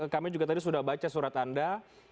kami juga tadi sudah baca surat anda